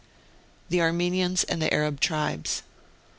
THE ARMENIANS AND THE ARAB TRIBES.